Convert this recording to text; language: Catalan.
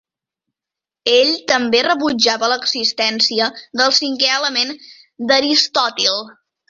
Ell també rebutjava l'existència del cinquè element d'Aristòtil.